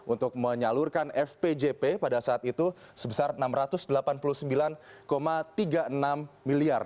untuk menyalurkan fpjp pada saat itu sebesar rp enam ratus delapan puluh sembilan tiga puluh enam miliar